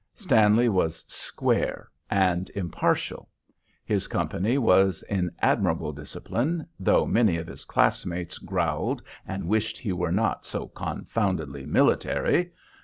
Stanley was "square" and impartial. His company was in admirable discipline, though many of his classmates growled and wished he were not "so confoundedly military."